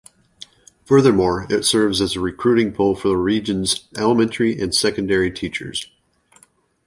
Furthermore, it serves as a recruiting pool for the region's elementary and secondary teachers.